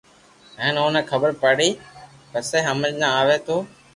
ھين اوني خبر پڙئي ئسآ ھمج نہ آوئ تو